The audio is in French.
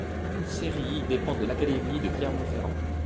Cérilly dépend de l'académie de Clermont-Ferrand.